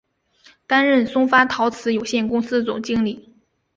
担任松发陶瓷有限公司总经理。